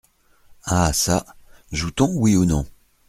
Ah çà ! joue-t-on, oui ou non ?